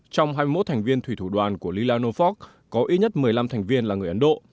trong hai mươi một thành viên thủy thủ đoàn của lilanofork có ít nhất một mươi năm thành viên là người ấn độ